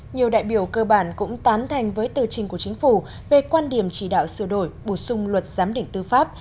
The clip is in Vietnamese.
nhiều đại biểu cơ bản cũng tán thành với tư trình của chính phủ về quan điểm chỉ đạo sửa đổi bổ sung luật giám định tư pháp